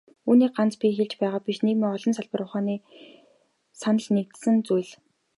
Үүнийг ганц би хэлж байгаа биш, нийгмийн олон салбар ухааны санал нэгдсэн зүйл.